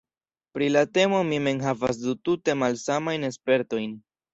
Pri la temo mi mem havas du tute malsamajn spertojn.